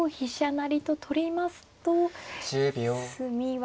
成と取りますと詰みは。